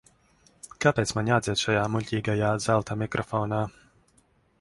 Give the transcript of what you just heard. Kāpēc man jādzied šajā muļķīgajā zelta mikrofonā?